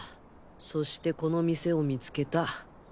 そしてこの店を見つけた。